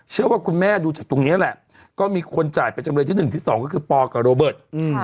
เชื่อว่าคุณแม่ดูจากตรงนี้แหละก็มีคนจ่ายไปจำเลยที่๑ที่๒ก็คือปอกับโรเบิร์ต